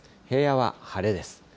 平野は晴れです。